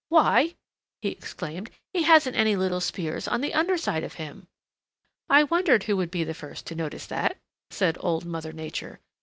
"Why!" he exclaimed. "He hasn't any little spears on the under side of him!" "I wondered who would be the first to notice that," said Old Mother Nature.